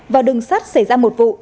và đường sắt xảy ra một vụ